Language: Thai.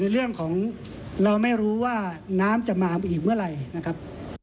เรื่องของเราไม่รู้ว่าน้ำจะมาอีกเมื่อไหร่นะครับ